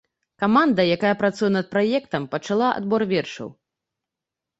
Каманда, якая працуе над праектам, пачала адбор вершаў.